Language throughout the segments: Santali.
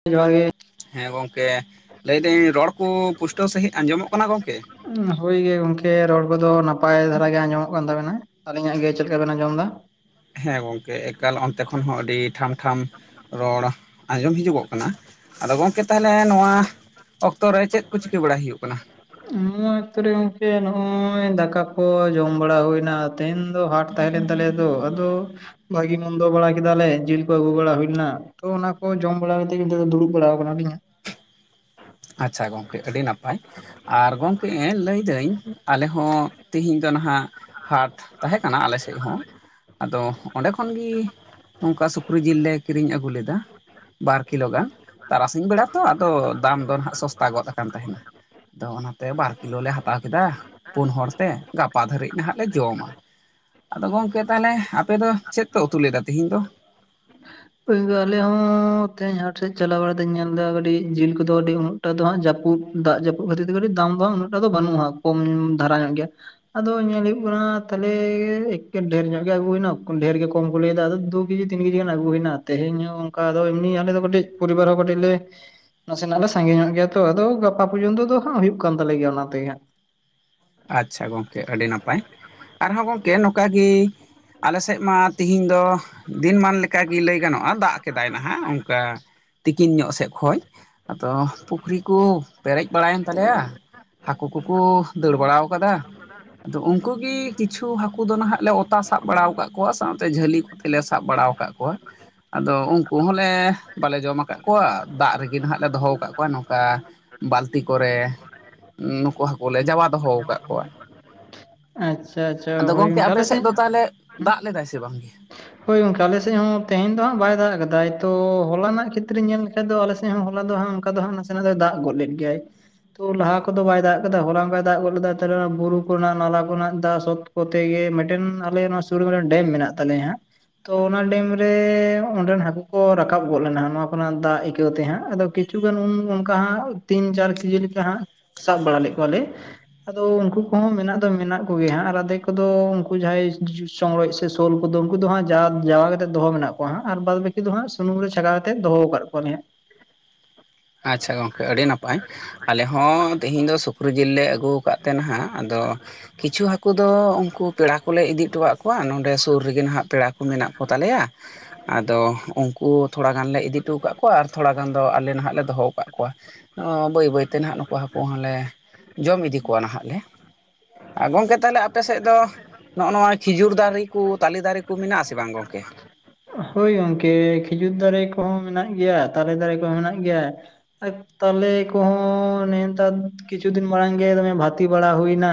ᱜᱚᱝᱠᱮ ᱡᱚᱦᱟᱨ ᱜᱮ ᱦᱮᱸ ᱜᱚᱢᱠᱮ ᱞᱟᱹᱭ ᱮᱫᱟᱹᱧ ᱨᱚᱲ ᱠᱚ ᱯᱩᱥᱴᱟᱹᱣ ᱥᱟᱺᱦᱤᱡ ᱟᱸᱡᱚᱢᱚᱜ ᱠᱟᱱᱟ ᱜᱚᱢᱠᱮ ᱦᱳᱭ ᱜᱮ ᱜᱚᱝᱠᱮ ᱨᱚᱲ ᱠᱚᱫᱚ ᱱᱟᱯᱟᱭ ᱫᱷᱟᱨᱟ ᱜᱮ ᱟᱸᱡᱚᱢᱚᱜ ᱠᱟᱱ ᱛᱟᱵᱮᱱᱟ ᱟᱹᱞᱤᱧᱟᱜ ᱜᱮ ᱪᱮᱫ ᱞᱮᱠᱟ ᱵᱮᱱ ᱟᱸᱡᱚᱢ ᱮᱫᱟ ᱦᱮᱸ ᱜᱚᱝᱠᱮ ᱮᱠᱟᱞ ᱚᱱᱛᱮ ᱠᱷᱚᱱ ᱦᱚᱸ ᱟᱹᱰᱤ ᱴᱷᱟᱢ ᱴᱷᱟᱢ ᱨᱚᱲ ᱟᱸᱡᱚᱢ ᱦᱤᱡᱩᱜᱚᱜ ᱠᱟᱱᱟ ᱟᱫᱚ ᱜᱚᱢᱠᱮ ᱛᱟᱦᱚᱞᱮ ᱱᱚᱣᱟ ᱚᱠᱛᱚ ᱨᱮ ᱪᱮᱫ ᱠᱚ ᱪᱤᱠᱟᱹ ᱵᱟᱲᱟᱭ ᱦᱩᱭᱩᱜ ᱠᱟᱱᱟ ᱱᱚᱣᱟ ᱚᱠᱛᱚ ᱨᱮ ᱜᱚᱝᱠᱮ ᱱᱚᱜᱼᱚᱭ ᱫᱟᱠᱟ ᱠᱚ ᱡᱚᱢ ᱵᱟᱲᱟ ᱦᱩᱭ ᱮᱱᱟ ᱛᱮᱦᱮᱧ ᱫᱚ ᱦᱟᱴ ᱛᱟᱦᱮ ᱞᱮᱱ ᱟᱛᱞᱮᱭᱟ ᱛᱚ ᱟᱫᱚ ᱵᱷᱟᱜᱤ ᱢᱚᱱᱫᱚ ᱵᱟᱲᱟ ᱠᱮᱫᱟᱞᱮ ᱡᱤᱞ ᱠᱚ ᱟᱹᱜᱩ ᱵᱟᱲᱟ ᱦᱩᱭ ᱞᱮᱱᱟ ᱛᱚ ᱚᱱᱟ ᱠᱚ ᱡᱚᱢ ᱵᱟᱲᱟ ᱠᱟᱛᱮ ᱫᱚ ᱫᱩᱲᱩᱵ ᱵᱟᱲᱟ ᱟᱠᱟᱱᱟ ᱞᱤᱧ ᱟᱪᱪᱷᱟ ᱜᱚᱝᱠᱮ ᱟᱹᱰᱤ ᱱᱟᱯᱟᱭ ᱟᱨ ᱜᱚᱢᱠᱮ ᱞᱟᱹᱭ ᱮᱫᱟᱹᱧ ᱟᱞᱮ ᱦᱚᱸ ᱛᱮᱦᱤᱧ ᱫᱚ ᱱᱟᱦᱟᱜ ᱦᱟᱴ ᱛᱟᱦᱮᱸ ᱠᱟᱱᱟ ᱟᱞᱮ ᱥᱮᱫ ᱦᱚᱸ ᱟᱫᱚ ᱚᱱᱰᱮ ᱠᱷᱚᱱᱜᱮ ᱱᱚᱝᱠᱟ ᱥᱩᱠᱨᱤ ᱡᱤᱞ ᱞᱮ ᱠᱤᱨᱤᱧ ᱟᱹᱜᱩ ᱞᱮᱫᱟ ᱵᱟᱨ ᱠᱤᱞᱳ ᱜᱟᱱ ᱛᱟᱨᱟᱥᱤᱧ ᱵᱮᱲᱟ ᱛᱚ ᱟᱫᱚ ᱫᱟᱢ ᱫᱚ ᱱᱟᱜ ᱥᱚᱥᱛᱟ ᱜᱚᱫ ᱟᱠᱟᱱ ᱛᱟᱦᱮᱱᱟ ᱟᱫᱚ ᱚᱱᱟᱛᱮ ᱵᱟᱨ ᱠᱤᱞᱳ ᱞᱮ ᱦᱟᱛᱟᱣ ᱠᱮᱫᱟ ᱯᱩᱱ ᱦᱚᱲ ᱛᱮ ᱜᱟᱯᱟ ᱫᱷᱟᱹᱨᱤᱡ ᱱᱟᱦᱟᱜ ᱞᱮ ᱡᱚᱢᱟ ᱟᱫᱚ ᱜᱚᱢᱠᱮ ᱛᱟᱦᱚᱞᱮ ᱟᱯᱮ ᱫᱚ ᱪᱮᱫ ᱯᱮ ᱩᱛᱩ ᱞᱮᱫᱟ ᱛᱤᱦᱤᱧ ᱫᱚ ᱟᱞᱮ ᱦᱚᱸ ᱛᱮᱦᱮᱧ ᱦᱟᱴ ᱥᱮᱫ ᱪᱟᱞᱟᱣ ᱵᱟᱲᱟ ᱛᱮᱧ ᱧᱮᱞ ᱮᱫᱟ ᱠᱟᱹᱴᱤᱡ ᱡᱤᱞ ᱠᱚᱫᱚ ᱟᱹᱰᱤ ᱩᱱᱟᱹᱴᱟᱜ ᱫᱚ ᱦᱟᱸᱜ ᱡᱟᱹᱯᱩᱫ ᱫᱟᱜ ᱡᱟᱹᱯᱩᱫ ᱠᱷᱟᱹᱛᱤᱨ ᱛᱮ ᱠᱟᱹᱴᱤᱡ ᱫᱟᱢ ᱫᱚ ᱩᱱᱟᱹᱜᱴᱟ ᱫᱚ ᱵᱟᱹᱱᱩᱜᱼᱟ ᱠᱚᱢ ᱫᱷᱟᱨᱟ ᱧᱚᱜ ᱜᱮᱭᱟ [unintelligible] ᱟᱫᱚ ᱧᱮᱞ ᱦᱳᱭᱳᱜ ᱠᱟᱱᱟ ᱛᱟᱦᱚᱞᱮ ᱮᱠᱮᱱ ᱰᱷᱮᱨ ᱧᱚᱜ ᱜᱮ ᱟᱹᱜᱩᱭᱮᱱᱟ ᱰᱷᱮᱨ ᱜᱮ ᱠᱚᱢ ᱠᱚ ᱞᱟᱹᱭ ᱮᱫᱟ ᱟᱫᱚ ᱫᱩ ᱠᱮᱡᱤ ᱛᱤᱱ ᱠᱮᱡᱤ ᱜᱟᱱ ᱟᱹᱜᱩᱭᱮᱱᱟ ᱛᱮᱦᱮᱧ ᱦᱚᱸ ᱚᱱᱠᱟ ᱮᱢᱱᱤ ᱟᱞᱮ ᱫᱚ ᱠᱟᱹᱴᱤᱡ ᱯᱚᱨᱤᱵᱟᱨ ᱦᱚᱸ ᱠᱟᱹᱴᱤᱡ ᱞᱮ ᱱᱟᱥᱮᱱᱟᱜ ᱞᱮ ᱥᱟᱸᱜᱮ ᱧᱚᱜ ᱜᱮᱭᱟ ᱛᱚ ᱟᱫᱚ ᱜᱟᱯᱟ ᱯᱚᱨᱡᱚᱱᱛᱚ ᱫᱚ ᱦᱟᱸᱟᱜ ᱦᱩᱭᱩᱜ ᱠᱟᱱ ᱛᱟᱞᱮ ᱜᱮᱭᱟ ᱚᱱᱟ ᱛᱮᱜᱮ ᱦᱟᱸᱜ ᱟᱪᱪᱷᱟ ᱜᱚᱝᱠᱮ ᱟᱹᱰᱤ ᱱᱟᱯᱟᱭ ᱟᱨᱦᱚᱸ ᱜᱚᱝᱠᱮ ᱱᱚᱝᱠᱟ ᱜᱮ ᱟᱞᱮ ᱥᱮᱫ ᱢᱟ ᱛᱮᱦᱤᱧ ᱫᱚ ᱫᱤᱱᱢᱟᱱ ᱞᱮᱠᱟᱜᱮ ᱞᱟᱹᱭ ᱜᱟᱱᱚᱜᱼᱟ ᱫᱟᱜ ᱠᱮᱫᱟᱭ ᱱᱟᱦᱟᱜ ᱚᱱᱠᱟ ᱛᱤᱠᱤᱱ ᱧᱚᱜ ᱥᱮᱫ ᱠᱷᱚᱱ ᱟᱫᱚ ᱯᱩᱠᱷᱨᱤ ᱠᱚ ᱯᱮᱨᱮᱡ ᱵᱟᱲᱟᱭᱮᱱ ᱛᱟᱞᱮᱭᱟ ᱦᱟᱹᱠᱩ ᱠᱚᱠᱚ ᱫᱟᱹᱲ ᱵᱟᱲᱟ ᱟᱠᱟᱫᱟ ᱟᱫᱚ ᱩᱱᱠᱩ ᱜᱮ ᱠᱤᱪᱷᱩ ᱦᱟᱹᱠᱩ ᱫᱚ ᱱᱟᱦᱟᱜ ᱞᱮ ᱚᱛᱟ ᱥᱟᱵ ᱵᱟᱲᱟ ᱟᱠᱟᱫ ᱠᱚᱣᱟ ᱥᱟᱶᱛᱮ ᱡᱷᱟᱹᱞᱤ ᱠᱚᱛᱮᱞᱮ ᱥᱟᱵ ᱵᱟᱲᱟ ᱠᱟᱜ-ᱠᱚᱣᱟ ᱟᱫᱚ ᱩᱱᱠᱩ ᱦᱚᱸᱞᱮ ᱵᱟᱞᱮ ᱡᱚᱢ ᱟᱠᱟᱫ ᱠᱚᱣᱟ ᱫᱟᱜ ᱨᱮᱜᱮ ᱱᱟᱦᱟᱜ ᱞᱮ ᱫᱚᱦᱚ ᱠᱟᱜ ᱱᱚᱣᱟ ᱱᱚᱝᱠᱟ ᱵᱟᱹᱞᱛᱤ ᱠᱚᱨᱮ ᱱᱩᱠᱩ ᱦᱟᱹᱠᱩ ᱞᱮ ᱡᱟᱣᱟᱫ ᱫᱚᱦᱚ ᱟᱠᱟᱫ ᱠᱚᱣᱟ ᱟᱪᱪᱷᱟ ᱟᱪᱪᱷᱟ ᱟᱫᱚ ᱦᱳᱭ ᱜᱚᱝᱠᱮ ᱟᱯᱮ ᱟᱞᱮ ᱥᱮᱫ ᱫᱚ ᱛᱟᱦᱚᱞᱮ ᱫᱟᱜ ᱞᱮᱫᱟᱭ ᱥᱮ ᱵᱟᱝ ᱦᱳᱭ ᱜᱚᱝᱠᱮ ᱟᱞᱮᱥᱮᱫ ᱦᱚᱸ ᱛᱮᱦᱮᱧ ᱫᱚ ᱦᱟᱸᱜ ᱵᱟᱭ ᱫᱟᱜ ᱠᱟᱫᱟᱭ ᱛᱚ ᱦᱚᱞᱟ ᱨᱮᱱᱟᱜ ᱠᱷᱮᱛᱨᱮ ᱧᱮᱞ ᱞᱮᱠᱷᱟᱱᱡ ᱫᱚ ᱟᱞᱮᱥᱮᱫ ᱦᱚᱸ ᱦᱚᱞᱟ ᱫᱚ ᱦᱟᱜ ᱚᱱᱠᱟ ᱫᱚ ᱦᱟᱜ ᱱᱟᱥᱮ ᱫᱚᱭ ᱫᱟᱜ ᱜᱚᱫ ᱞᱮᱫ ᱜᱮᱭᱟᱭ ᱛᱚ ᱞᱟᱦᱟ ᱠᱚᱫᱚ ᱵᱟᱭ ᱫᱟᱜ ᱠᱮᱫᱫᱟ ᱦᱚᱞᱚᱝ ᱵᱟᱭ ᱫᱟᱜ ᱜᱚᱫ ᱞᱮᱫᱟ ᱵᱩᱨᱩ ᱠᱚᱨᱮᱱᱟᱜ ᱱᱟᱞᱟ ᱠᱚᱨᱮ ᱫᱟᱜ ᱥᱚᱛ ᱠᱚᱛᱮ ᱜᱮ ᱢᱤᱫᱴᱮᱱ ᱟᱞᱮ ᱱᱚᱣᱟ ᱥᱩᱨ ᱢᱤᱫᱮᱱ ᱰᱮᱢ ᱢᱮᱱᱟᱜ ᱛᱟᱞᱮᱭᱟ ᱦᱟᱸᱜ ᱛᱚ ᱚᱱᱟ ᱰᱮᱢ ᱨᱮ ᱚᱸᱰᱮᱱ ᱦᱟᱹᱠᱩ ᱠᱚ ᱨᱟᱠᱟᱵ ᱜᱚᱫ ᱞᱮᱱᱟ ᱱᱚᱣᱟ ᱠᱚᱨᱮᱱᱟᱜ ᱫᱟᱜ ᱟᱹᱭᱠᱟᱹᱣ ᱛᱮ ᱦᱟᱸᱜ ᱟᱫᱚ ᱠᱤᱪ ᱠᱤᱪᱷᱩ ᱜᱟᱱ ᱩᱱ ᱚᱱᱠᱟ ᱦᱟᱜ ᱛᱤᱱ ᱪᱟᱨ ᱠᱮᱡᱤ ᱞᱮᱠᱟ ᱦᱟᱸᱜ ᱥᱟᱵ ᱵᱟᱲᱟ ᱞᱮᱫ ᱠᱚᱣᱟᱞᱮ ᱟᱫᱚ ᱩᱱᱠᱩ ᱠᱚᱦᱚᱸ ᱢᱮᱱᱟᱜ ᱫᱚ ᱢᱮᱱᱟᱜ ᱠᱚᱜᱮᱭᱟ ᱦᱟᱸᱜ ᱟᱫᱮ ᱠᱚᱫᱚ ᱩᱱᱠᱩ ᱡᱟᱦᱟᱸᱭ ᱪᱚᱝᱨᱚᱡ ᱥᱮ ᱥᱳᱞ ᱠᱚᱫᱚ ᱩᱱᱠᱩ ᱫᱚ ᱦᱟᱸᱜ ᱡᱟᱣᱟ ᱠᱟᱛᱮᱫ ᱫᱚᱦᱚ ᱢᱮᱱᱟᱜ ᱠᱚᱣᱟᱸ ᱟᱨ ᱵᱟᱫ ᱵᱟᱹᱠᱤ ᱫᱚ ᱦᱟᱸᱜ ᱥᱩᱱᱩᱢ ᱨᱮ ᱪᱷᱟᱠᱟᱣ ᱠᱟᱛᱮ ᱫᱚᱦᱚ ᱟᱠᱟᱫ ᱠᱚᱣᱟᱞᱮ ᱦᱟᱸᱜ ᱟᱪᱪᱷᱟ ᱜᱚᱝᱠᱮ ᱟᱹᱰᱤ ᱱᱟᱯᱟᱭ ᱟᱞᱮ ᱦᱚᱸ ᱛᱤᱦᱮᱧ ᱫᱚ ᱥᱩᱠᱨᱤ ᱡᱤᱞ ᱞᱮ ᱟᱹᱜᱩ ᱟᱠᱟᱫ ᱛᱮ ᱱᱟᱦᱟᱜ ᱟᱫᱚ ᱠᱤᱪᱷᱩ ᱦᱟᱹᱠᱩ ᱫᱚ ᱩᱱᱠᱩ ᱯᱮᱲᱟ ᱠᱚᱞᱮ ᱤᱫᱤ ᱦᱚᱴᱚᱣᱟᱜ ᱠᱚᱣᱟ ᱱᱚᱸᱰᱮ ᱥᱩᱨ ᱨᱮᱜᱮ ᱱᱟᱦᱟᱜ ᱯᱮᱲᱟ ᱠᱚ ᱢᱮᱱᱟᱜ ᱠᱚ ᱛᱟᱞᱮᱭᱟ ᱟᱫᱚ ᱩᱱᱠᱩ ᱛᱷᱚᱲᱟ ᱜᱟᱱ ᱞᱮ ᱤᱫᱤ ᱦᱚᱴᱚ ᱠᱟᱜ ᱠᱚᱣᱟ ᱟᱨ ᱛᱷᱚᱲᱟ ᱜᱟᱱ ᱫᱚ ᱟᱞᱮ ᱱᱟᱦᱟᱜ ᱞᱮ ᱫᱚᱦᱚ ᱠᱟᱜ ᱠᱚᱣᱟ ᱠᱚᱣᱟ ᱵᱟᱹᱭ ᱵᱟᱹᱭᱛᱮ ᱱᱟᱦᱟᱜ ᱱᱩᱠᱩ ᱦᱟᱹᱠᱩ ᱦᱚᱸᱞᱮ ᱡᱚᱢ ᱤᱫᱤ ᱠᱚᱣᱟ ᱱᱟᱦᱟᱜ ᱞᱮ ᱧ ᱜᱚᱝᱠᱮ ᱛᱟᱦᱮ ᱟᱯᱮ ᱥᱮᱫ ᱫᱚ ᱱᱚᱜ-ᱚ ᱱᱚᱣᱟ ᱠᱷᱤᱡᱩᱨ ᱫᱟᱨᱮ ᱠᱚ ᱛᱟᱞᱮ ᱫᱟᱨᱮ ᱠᱚ ᱢᱮᱱᱟᱜ-ᱟ ᱥᱮ ᱵᱟᱝ ᱜᱚᱢᱠᱮ ᱦᱳᱭ ᱜᱚᱝᱠᱮ ᱠᱷᱤᱡᱩᱨ ᱫᱟᱨᱮ ᱠᱚᱦᱚᱸ ᱢᱮᱱᱟᱜ ᱜᱮᱭᱟ ᱛᱟᱞᱮ ᱫᱟᱨᱮ ᱠᱚᱦᱚᱸ ᱢᱮᱱᱟᱜ ᱜᱮᱭᱟ [unintelligible] ᱛᱟᱦᱚᱞᱮ ᱠᱚᱦᱚᱸ ᱱᱮᱛᱟᱨ ᱠᱤᱪᱷᱩ ᱫᱤᱱ ᱢᱟᱲᱟᱝ ᱜᱮ ᱫᱚᱢᱮ ᱵᱷᱟᱛᱤ ᱵᱟᱲᱟ ᱦᱩᱭᱱᱟ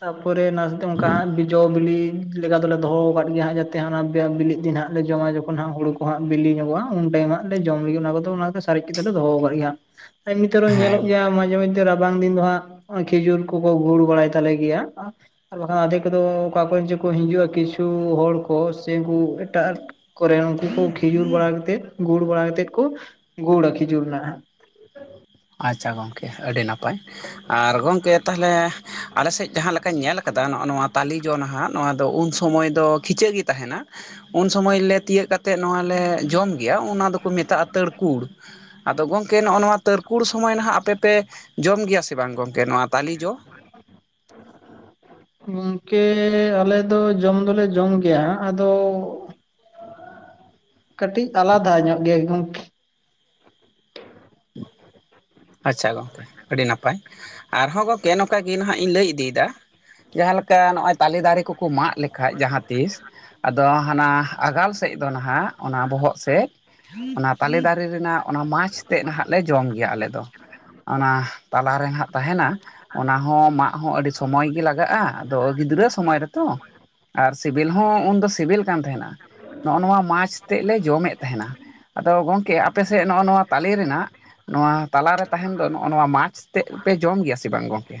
ᱛᱟᱯᱚᱨᱮ ᱱᱟᱥᱛᱮ ᱚᱱᱠᱟ ᱦᱟᱸᱜ ᱵᱤᱡᱚ ᱵᱤᱞᱤ ᱞᱮᱠᱟ ᱫᱚᱞᱮ ᱫᱚᱦᱚ ᱟᱠᱟᱫ ᱜᱮᱭᱟ ᱦᱟᱸᱜ ᱡᱟᱛᱮ ᱚᱱᱟ ᱵᱤᱞᱤ ᱫᱤᱱ ᱦᱟᱸᱜ ᱞᱮ ᱡᱚᱢᱟ ᱡᱚᱠᱷᱚᱱ ᱦᱟᱸ ᱦᱩᱲᱩ ᱠᱚ ᱦᱟᱜ ᱵᱤᱞ ᱧᱚᱜᱚᱜ-ᱟ ᱩᱱ ᱴᱟᱭᱤᱢ ᱦᱟᱜ ᱞᱮ ᱡᱚᱢ ᱞᱮ ᱚᱱᱟ ᱠᱚᱫᱚ ᱚᱱᱟ ᱥᱟᱨᱮᱡ ᱠᱟᱛᱮᱞ ᱞᱮ ᱫᱚᱦᱚ ᱠᱟᱜ ᱜᱮᱭᱟ ᱦᱟᱸᱜ ᱟᱭᱤᱛᱚᱨᱮᱦᱚ ᱦᱮᱸ ᱧᱮᱞᱚᱜᱮᱭᱟ ᱢᱟᱪᱷᱮ ᱢᱚᱫᱽᱫᱷᱮ ᱨᱟ ᱨᱟᱵᱟᱝ ᱫᱤᱱ ᱫᱚ ᱦᱟᱸᱜ ᱠᱷᱤᱡᱩᱨ ᱠᱚᱠᱚ ᱜᱩᱲ ᱵᱟᱲᱟᱭ ᱛᱟᱞᱮ ᱜᱮᱭᱟ ᱟᱨ ᱵᱟᱠᱷᱟᱱ ᱟᱫᱷᱮ ᱠᱚᱫᱚ ᱚᱠᱟ ᱠᱚᱨᱮᱱ ᱡᱮ ᱠᱚ ᱦᱤᱡᱩᱜ-ᱟ ᱠᱤᱪᱷᱩ ᱦᱚᱲ ᱠᱚ ᱥᱮ ᱩᱱᱠᱩ ᱴᱟᱜ ᱠᱚᱨᱮ ᱩᱱᱠᱩ ᱠᱚ ᱠᱷᱤᱡᱩᱨ ᱵᱟᱲᱟ ᱠᱟᱛᱮᱫ ᱜᱩᱲ ᱵᱟᱲᱟ ᱠᱟᱛᱮᱫ ᱠᱚ ᱜᱩᱲ-ᱟ ᱠᱷᱤᱪᱩᱨ ᱨᱮᱱᱟᱜ ᱟᱪᱪᱷᱟ ᱜᱚᱢᱠᱮ ᱟᱹᱰᱤ ᱱᱟᱯᱟᱭ ᱟᱨ ᱜᱚᱝᱠᱮ ᱛᱟᱦᱚᱞᱮ ᱟᱞᱮ ᱥᱮᱫ ᱡᱟᱦᱟᱸᱮ ᱞᱮᱠᱟᱧ ᱧᱮᱞ ᱠᱟᱫᱟ ᱱᱚᱜ-ᱚ ᱱᱚᱣᱟ ᱛᱟᱞᱤ ᱡᱚ ᱱᱟᱦᱟᱜ ᱱᱚᱣᱟ ᱫᱚ ᱩᱱ ᱥᱚᱢᱚᱭ ᱫᱚ ᱠᱷᱤᱪᱟᱹᱜ ᱜᱮ ᱛᱟᱦᱮᱱᱟ ᱩᱱ ᱥᱚᱢᱚᱭ ᱞᱮ ᱛᱤᱭᱳᱜ ᱠᱟᱛ ᱛᱮᱫ ᱱᱚᱣᱟ ᱞᱮ ᱡᱚᱢ ᱜᱮᱭᱟ ᱚᱱᱟ ᱫᱚᱠᱚ ᱢᱮᱛᱟᱜ-ᱟ ᱛᱟᱹᱨᱠᱩᱲ ᱟᱫᱚ ᱜᱚᱝᱠᱮ ᱱᱚᱜ-ᱚ ᱱᱚᱣᱟ ᱛᱟᱹᱨ ᱦᱩᱲ ᱥᱚᱢᱚᱭ ᱱᱟᱦᱟᱜ ᱟᱯᱮ ᱯᱮ ᱡᱚᱢ ᱜᱮᱭᱟ ᱥᱮ ᱵᱟᱝ ᱜᱚᱢᱠᱮ ᱱᱚᱣᱟ ᱛᱟᱞᱮ ᱡᱚ [unintelligible] ᱜᱚᱝᱠᱮ ᱟᱞᱮ ᱫᱚ ᱡᱚᱢ ᱫᱚᱞᱮ ᱡᱚᱢ ᱜᱮᱭᱟ ᱟᱫᱚ ᱠᱟᱹᱴᱤᱡ ᱟᱞᱟᱫᱟ ᱧᱚᱜ ᱜᱮᱭᱟ ᱜᱚᱝᱠ [inaudible] ᱟᱪᱪᱷᱟ ᱜᱚᱢᱠᱮ ᱟᱹᱰᱤ ᱱᱟᱯᱟᱭ ᱟᱨᱦᱚᱸ ᱜᱚᱢᱠᱮ ᱱᱚᱝᱠᱟ ᱜᱮ ᱱᱟᱦᱟᱜ ᱤᱧ ᱞᱟᱹᱭ ᱤᱫᱤᱭᱮᱫᱟ ᱡᱟᱦᱟᱸ ᱞᱮᱠᱟ ᱱᱚᱜ-ᱚᱭ ᱛᱟᱞᱮ ᱫᱟᱨᱮ ᱠᱚᱠᱚ ᱢᱟᱜ ᱞᱮᱠᱟᱡ ᱡᱟᱦᱟᱸ ᱛᱤᱥ ᱟᱫᱚ ᱦᱟᱱᱟ ᱟᱜᱟᱞ ᱥᱮᱫ ᱫᱚ ᱱᱟᱦᱟᱜ ᱚᱱᱟ ᱵᱚᱦᱚᱜ ᱥᱮᱫ ᱚᱱᱟ ᱛᱟᱞᱮ ᱫᱟᱨᱮ ᱨᱮᱱᱟᱜ ᱚᱱᱟ ᱢᱟᱪᱷ ᱛᱮᱫ ᱱᱟᱦᱟᱜ ᱞᱮ ᱡᱚᱢ ᱜᱮᱭᱟ ᱟᱞᱮ ᱫᱚ ᱚᱱᱟ ᱛᱟᱞᱟᱨᱮ ᱱᱟᱦᱟᱜ ᱛᱟᱦᱮᱱᱟ ᱚᱱᱟ ᱦᱚ ᱢᱟᱜ ᱦᱚ ᱟᱹᱰᱤ ᱥᱚᱢᱚᱭ ᱜᱮ ᱞᱟᱜᱟᱜ-ᱟ ᱟᱫᱚ ᱜᱤᱫᱽᱨᱟᱹ ᱥᱚᱢᱚᱭ ᱨᱮᱛᱚ ᱟᱨ ᱥᱤᱵᱤᱞ ᱦᱚᱸ ᱩᱱᱫᱚ ᱥᱤᱵᱤᱞ ᱠᱟᱱ ᱛᱟᱦᱮᱱᱟ ᱱᱚᱜ-ᱚ ᱱᱚᱣᱟ ᱢᱟᱪ ᱛᱮᱫ ᱞᱮ ᱡᱚᱢᱮᱫ ᱛᱟᱦᱮᱱᱟ ᱟᱫᱚ ᱜᱚᱝᱠᱮ ᱟᱯᱮᱥᱮᱫ ᱱᱚᱜ-ᱚ ᱱᱚᱣᱟ ᱛᱟᱞᱮ ᱨᱮᱱᱟᱜ ᱱᱚᱣᱟ ᱛᱟᱞᱟᱨᱮ ᱛᱟᱦᱮᱱ ᱫᱚ ᱱᱚᱜ-ᱚ ᱱᱚᱣᱟ ᱢᱟᱪ ᱛᱮᱫ ᱯᱮ ᱡᱚᱢ ᱜᱮᱭᱟ ᱥᱮ ᱵᱟᱝ ᱜᱚᱝᱠᱮ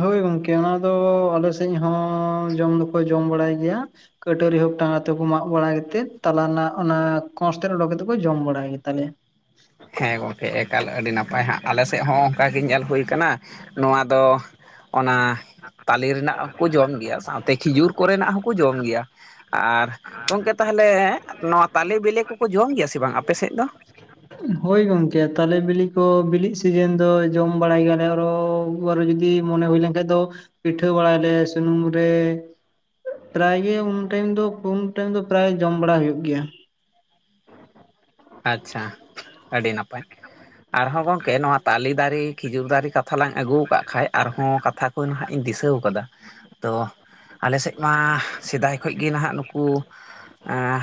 ᱦᱳᱭ ᱜᱚᱝᱠᱮ ᱚᱱᱟ ᱫᱚ ᱟᱞᱮ ᱥᱮᱫ ᱦᱚᱸ ᱡᱚᱢ ᱫᱚᱠᱚ ᱡᱚᱢ ᱵᱟᱲᱟᱭ ᱜᱮᱭᱟ ᱠᱟᱹᱴᱟᱹᱨᱤ ᱦᱳᱠ ᱴᱟᱸᱜᱟ ᱛᱮᱠᱚ ᱢᱟᱜ ᱵᱟᱲᱟ ᱠᱟᱛᱮᱫ ᱛᱟᱞᱟ ᱨᱮᱱᱟᱜ ᱚᱱᱟ ᱠᱚᱥ ᱛᱮ ᱩᱰᱚᱠ ᱠᱟᱛᱮ ᱠᱚ ᱡᱚᱢ ᱵᱟᱲᱟᱭ ᱜᱮᱛᱟᱞᱮᱭᱟ ᱦᱮᱸ ᱜᱚᱢᱠᱮ ᱮᱠᱟᱞ ᱟᱹᱰᱤ ᱱᱟᱯᱟᱭ ᱦᱟᱸᱜ ᱟᱞᱮ ᱥᱮᱫ ᱦᱚᱸ ᱚᱱᱠᱟᱜᱮ ᱧᱮᱞ ᱦᱩᱭ ᱠᱟᱱᱟ ᱱᱚᱣᱟ ᱫᱚ ᱚᱱᱟ ᱛᱟᱞᱮ ᱨᱮᱱᱟᱜ ᱦᱚᱸᱠᱚ ᱡᱚᱢ ᱜᱮᱭᱟ ᱥᱟᱶᱛᱮ ᱠᱷᱤᱡᱩᱨ ᱠᱚᱨᱮᱱᱟᱜ ᱦᱚᱸᱠᱚ ᱡᱚᱢ ᱜᱮᱭᱟ ᱟᱨ ᱜᱚᱢᱠᱮ ᱛᱟᱦᱚᱞᱮ ᱱᱚᱣᱟ ᱛᱟᱞᱮ ᱵᱤᱞᱮ ᱠᱚᱠᱚ ᱡᱚᱢ ᱜᱮᱭᱟ ᱥᱮ ᱵᱟᱝ ᱟᱯᱮ ᱥᱮᱫ ᱫᱚ ᱦᱚᱳᱭ ᱜᱚᱝᱠᱮ ᱛᱟᱞᱮ ᱵᱤᱞᱤ ᱠᱚ ᱵᱤᱞᱤᱜ ᱥᱤᱡᱮᱱ ᱫᱚ ᱡᱚᱢ ᱵᱟᱲᱟᱭ ᱜᱮᱭᱟᱞᱮ ᱟᱨᱚ ᱵᱟᱨ ᱡᱩᱫᱤ ᱢᱚᱱᱮ ᱦᱩᱭ ᱞᱮᱱᱠᱷᱟᱱ ᱫᱚ ᱯᱤᱴᱷᱟᱹ ᱵᱟᱲᱟᱭᱟᱞᱮ ᱥᱩᱱᱩᱢ ᱨᱮ ᱯᱨᱟᱭᱜᱮ ᱩᱱ ᱴᱟᱭᱤᱢ ᱫᱚ ᱩᱱ ᱴᱟᱭᱤᱢ ᱫᱚ ᱯᱨᱟᱭ ᱡᱚᱢ ᱵᱟᱲᱟ ᱦᱩᱭᱩᱜ ᱜᱮᱭᱟ ᱟᱪᱪᱷᱟ ᱟᱹᱰᱤ ᱱᱟᱯᱟᱭ ᱟᱨᱦᱚᱸ ᱜᱚᱝᱠᱮ ᱱᱚᱣᱟ ᱛᱟᱞᱮ ᱫᱟᱨᱮ ᱠᱷᱤᱡᱩᱨ ᱫᱟᱨᱮ ᱠᱟᱛᱷᱟ ᱞᱟᱝ ᱟᱹᱜᱩ ᱟᱠᱟᱫ ᱠᱷᱟᱱ ᱟᱨᱦᱚᱸ ᱠᱟᱛᱷᱟ ᱱᱟᱦᱟᱜ ᱤᱧ ᱫᱤᱥᱟᱹᱣ ᱠᱟᱫᱟ ᱛᱚ ᱟᱞᱮ ᱥᱮᱫ ᱢᱟ ᱥᱮᱫᱟᱭ ᱠᱷᱚ ᱜᱮ ᱱᱟᱦᱟᱜ ᱱᱩᱠᱩ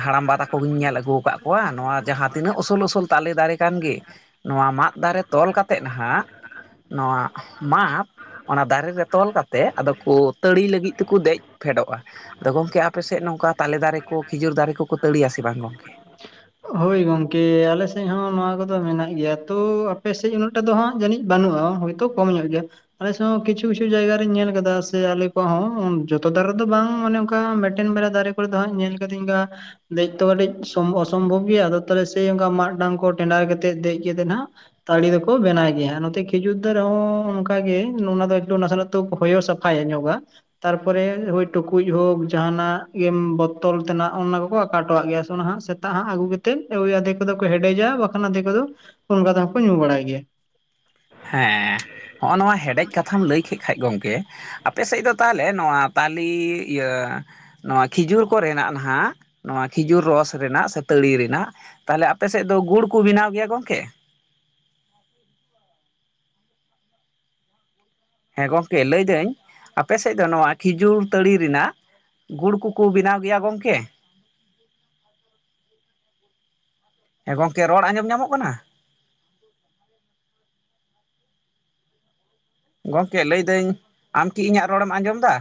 ᱦᱟᱲᱟᱢᱵᱟ ᱛᱟ ᱠᱚᱜᱤᱧ ᱧᱮᱞ ᱟᱹᱜᱩ ᱟᱠᱟᱫ ᱠᱚᱣᱟ ᱱᱚᱣᱟ ᱡᱟᱦᱟᱸ ᱛᱤᱱᱟᱹᱜ ᱩᱥᱩᱞ ᱩᱥᱩᱞ ᱛᱟᱞᱮ ᱫᱟᱨᱮ ᱠᱟᱱ ᱜᱮ ᱱᱚᱣᱟ ᱢᱟᱫ ᱫᱟᱨᱮ ᱛᱚᱞ ᱠᱟᱛᱮᱫ ᱱᱟᱦᱟᱜ ᱱᱚᱣᱟ ᱢᱟᱜ ᱚᱱᱟ ᱫᱟᱨᱮ ᱨᱮ ᱛᱚᱞ ᱠᱟᱛᱮ ᱟᱫᱚ ᱠᱚ ᱛᱟᱹᱲᱤ ᱞᱟᱹᱜᱤᱫ ᱛᱮᱠᱚ ᱫᱮᱡ ᱯᱷᱮᱰᱚᱜᱼᱟ ᱟᱫᱚ ᱜᱚᱢᱠᱮ ᱟᱯᱮ ᱥᱮᱫ ᱱᱚᱝᱠᱟ ᱛᱟᱞᱮ ᱫᱟᱨᱮ ᱠᱚ ᱠᱷᱤᱡᱩᱨ ᱫᱟᱨᱮ ᱠᱚᱠᱚ ᱛᱟᱹᱲᱤᱭᱟ ᱥᱮ ᱵᱟᱝ ᱜᱚᱢᱠᱮ [inaudible] ᱦᱳᱭ ᱜᱚᱝᱠᱮ ᱟᱞᱮᱥᱮᱫ ᱦᱚᱸ ᱱᱚᱣᱟ ᱠᱚᱫᱚ ᱢᱮᱱᱟᱜ ᱜᱮᱭᱟ, ᱛᱚ ᱟᱯᱮᱥᱮᱫ ᱩᱱᱟᱹᱜ ᱴᱟᱝ ᱫᱚ ᱦᱟᱸᱜ ᱡᱟᱹᱱᱤᱡ ᱵᱟᱹᱱᱩᱜᱼᱟ᱾ ᱦᱳᱭ- ᱛᱚ ᱠᱚᱢ ᱧᱚᱜ ᱜᱮᱭᱟ, ᱟᱞᱮ ᱥᱮᱫ ᱦᱚᱸ ᱠᱤᱪᱷᱩ ᱠᱤᱪᱷᱩ ᱡᱟᱭᱜᱟ ᱨᱤᱧ ᱧᱮᱞ ᱟᱠᱟᱫᱟ ᱥᱮ ᱟᱞᱮ ᱠᱚᱣᱟᱜ ᱦᱚᱸ ᱡᱚᱛᱚ ᱫᱟᱨᱮᱫᱚ ᱵᱟᱝ ᱢᱟᱱᱮ ᱚᱱᱠᱟ ᱢᱤᱫᱮᱱ ᱵᱮᱲᱟ ᱫᱟᱨᱮ ᱠᱚᱨᱮ ᱫᱚ ᱦᱜ ᱧᱮᱞ ᱠᱟᱫᱤᱧᱝ ᱫᱮᱡ ᱛᱚ ᱠᱟᱹᱴᱤᱡ ᱚᱥᱚᱢᱵᱷᱚᱵᱽ ᱜᱮᱭᱟ ᱟᱫ ᱥᱮᱭ ᱚᱱᱠᱟ ᱢᱟᱟᱜ ᱰᱟᱝ ᱠᱚ ᱴᱮᱸᱰᱟᱨ ᱠᱟᱛᱮᱜ ᱫᱮᱡ ᱠᱟᱛᱮᱜ ᱦᱱᱟᱜ, ᱛᱟᱲᱤ ᱫᱚᱠᱚ ᱵᱮᱱᱟᱣ ᱜᱮᱭᱟ ᱱᱚᱛᱮ ᱠᱷᱤᱡᱩᱨ ᱫ ᱨᱮᱦᱚᱸ ᱚᱱᱠᱟ ᱜᱮ ᱚᱱᱟ ᱫᱚ ᱮᱠᱩ ᱱᱟᱥᱮᱱᱟᱜ ᱛᱚ ᱦᱳᱭᱳ ᱥᱯᱷᱟᱭ ᱮ ᱧᱜᱟ, ᱛᱟᱨᱯᱚᱨᱮ ᱦᱳᱭ ᱴᱩᱠᱩᱡ ᱦᱳᱠ ᱡᱟᱦᱟᱱᱟᱜ ᱜᱮ ᱵᱚᱛᱚᱞ ᱛᱮᱱᱟᱜ ᱚᱱᱟ ᱠᱚᱠᱚ ᱟᱠᱟᱴᱚᱣᱟᱜ ᱜᱮᱭᱟ ᱥᱮ ᱚᱱᱟᱦᱟᱜ, ᱥᱮᱛᱟᱜ ᱦᱟᱸ ᱟᱹᱜᱩ ᱠᱟᱛᱮᱫ ᱳᱭ ᱟᱫᱷᱮ ᱠᱚ ᱠᱚ ᱦᱮᱰᱮᱡᱟ ᱵᱟᱠᱷᱟᱱ ᱟᱫᱷᱮ ᱠᱚᱫᱚ ᱚᱱᱠᱟ ᱛᱮ ᱠᱚ ᱧᱩ ᱵᱟᱲᱟᱭ ᱜᱮᱭᱟ, ᱦᱮᱸ ᱦᱚᱜᱼᱚ ᱱᱚᱣᱟ ᱦᱮᱰᱮᱡ ᱠᱟᱛᱷᱟᱢ ᱞᱟᱹᱭ ᱠᱮᱫ ᱠᱷᱟᱡ ᱜᱚᱢᱠᱮ ᱟᱯᱮ ᱥᱮᱫ ᱫᱚ ᱛᱟᱦᱚᱞᱮ ᱱᱚᱣᱟ ᱛᱟᱞᱮ ᱤᱭᱟᱹ ᱱᱚᱣᱟ ᱠᱷᱤᱡᱩᱨ ᱠᱚᱨᱮᱱᱟᱜ ᱱᱟᱦᱟᱜ ᱱᱚᱣᱟ ᱠᱷᱤᱡᱩᱨ ᱨᱚᱥ ᱨᱮᱱᱟᱜ ᱥᱮ ᱛᱟᱹᱲᱤ ᱨᱮᱱᱟᱜ, ᱛᱟᱦᱚᱞᱮ ᱟᱯᱮ ᱥᱮᱫ ᱫᱚ ᱜᱩᱲ ᱠᱚ ᱵᱮᱱᱟᱣ ᱜᱮᱭᱟ ᱜᱚᱝᱠᱮ, ᱦᱮᱸ ᱜᱚᱢᱠᱮ ᱞᱟᱹᱭᱫᱟᱹᱧ ᱟᱯᱮᱥᱮᱫ ᱫᱚ ᱱᱚᱣᱟ ᱠᱷᱤᱡᱩᱨ ᱛᱟᱹᱲᱤ ᱨᱮᱱᱟᱜ ᱜᱩᱲ ᱠᱚᱠᱚ ᱵᱮᱱᱟᱣ ᱜᱮᱭᱟ ᱜᱚᱢᱠᱮ, ᱟ [inaudible] ᱦᱮᱸ ᱜᱚᱝᱠᱮ ᱨᱚᱲ ᱟᱸᱡᱚᱢ ᱧᱟᱢᱚᱜ ᱠᱟᱱᱟ, ᱜᱚᱢᱠᱮ ᱞᱟᱹᱭᱫᱟᱹᱧ ᱟᱢ ᱠᱤ ᱤᱧᱟᱹᱜ ᱨᱚᱲᱮᱢ ᱟᱸᱡᱚᱢ ᱮᱫᱟ,